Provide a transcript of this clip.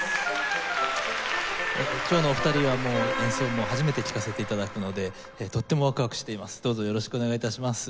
今日のお二人は演奏も初めて聴かせて頂くのでとってもワクワクしています。